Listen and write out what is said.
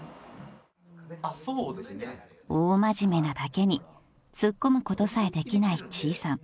［大真面目なだけに突っ込むことさえできないちーさん］